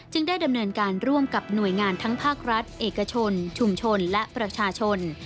ได้ดำเนินการร่วมกับหน่วยงานทั้งภาครัฐเอกชนชุมชนและประชาชน